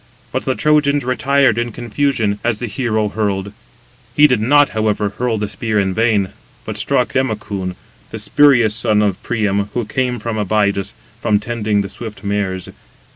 But the Trojans retired in confusion, as the hero hurled; he did not, however, hurl the spear in vain, but struck Democoon, the spurious son of Priam, who came from Abydos, from [tending] the swift mares.